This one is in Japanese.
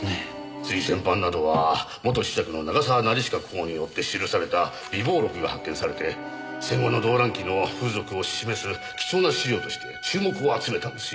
つい先般などは元子爵の永沢成親公によって記された備忘録が発見されて戦後の動乱期の風俗を示す貴重な資料として注目を集めたんですよ。